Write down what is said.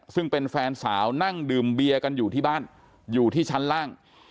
ซึ่งเป็นแฟนสาวนั่งดื่มเบียร์กันอยู่ที่บ้านอยู่ที่ชั้นล่าง